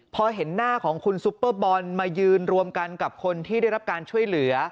พอเห็นหน้าของคุณซุปเปอร์บอลมายืนรวมกันกับคนที่ได้รับการช่วยเหลือ